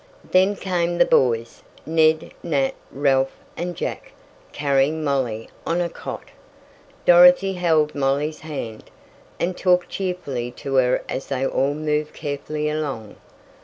Then came the boys, Ned, Nat, Ralph, and Jack, carrying Molly on a cot. Dorothy held Molly's hand, and talked cheerfully to her as they all moved carefully along.